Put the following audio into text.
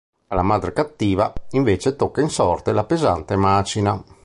Alla madre cattiva, invece, tocca in sorte la pesante macina.